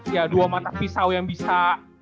ya dua mata pisau yang bisa